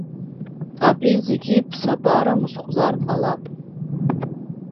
Абри зегьы ԥсабара мусхәзар ҟалап.